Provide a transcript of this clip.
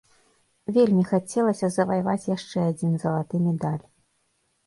Вельмі хацелася заваяваць яшчэ адзін залаты медаль.